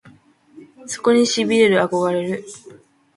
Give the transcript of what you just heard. そこに痺れる憧れる